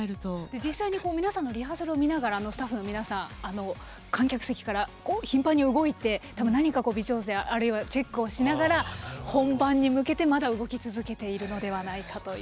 実際に皆さんのリハーサルを見ながらスタッフの皆さん、観客席から頻繁に動いて、何か微調整あるいはチェックをしながら本番に向けてまだ動き続けているのではないかと。